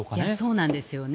そうなんですよね。